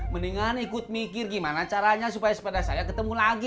mendingan ikut mikir gimana caranya supaya sepeda saya ketemu lagi